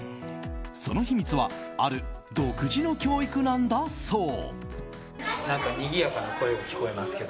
その秘密はある独自の教育なんだそう。